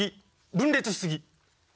分裂し過ぎ！